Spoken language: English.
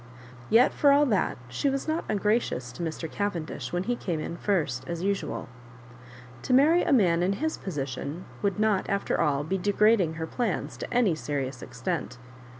Yet for all that she was not un gracious to Mr. Cavendish when he came in first as usual. To marry a man in his position would not, after all, be deranging her plans to any serious extent.